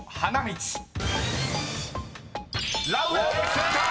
［正解！